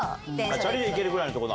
チャリで行けるぐらいのとこ？